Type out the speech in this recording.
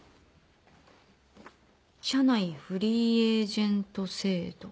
社内フリーエージェント制度？